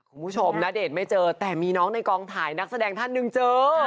คุณผู้ชมณเดชน์ไม่เจอแต่มีน้องในกองถ่ายนักแสดงท่านหนึ่งเจอ